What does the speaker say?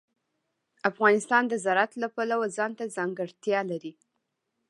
افغانستان د زراعت له پلوه ځانته ځانګړتیا لري.